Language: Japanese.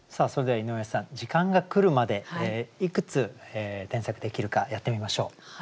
それでは井上さん時間が来るまでいくつ添削できるかやってみましょう。